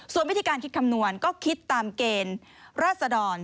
ส่วนวิธีการคิดคำนวณก็คิดตามเกณฑ์ราศดร